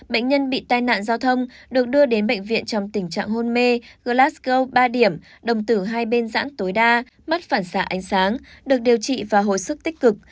bệnh nhân bị tai nạn giao thông được đưa đến bệnh viện trong tình trạng hôn mê glasgo ba điểm đồng tử hai bên giãn tối đa mất phản xạ ánh sáng được điều trị và hồi sức tích cực